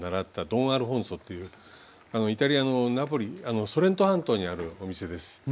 ドン・アルフォンソというイタリアのナポリソレント半島にあるお店です。